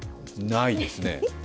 ないですね。